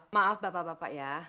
maaf bapak bapak ya